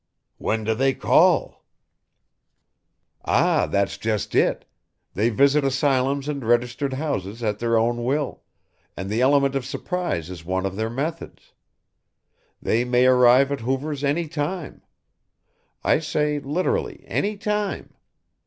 "When do they call?" "Ah, that's just it. They visit asylums and registered houses at their own will, and the element of surprise is one of their methods. They may arrive at Hoover's any time. I say, literally, any time.